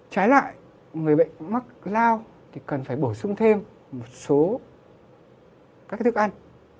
trái lại người bệnh mắc lao thì cần phải bổ sung thêm một số các thức ăn